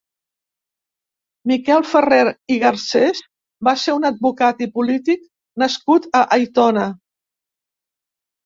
Miquel Ferrer i Garcés va ser un advocat i polític nascut a Aitona.